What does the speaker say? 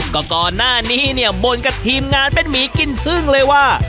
ก็ก่อนหน้านี้เนี่ยบ่นกับทีมงานเป็นหมีกินพึ่งเลยว่า